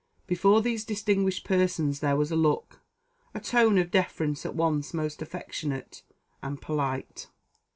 Before these distinguished persons there was a look a tone of deference at once most affectionate and polite.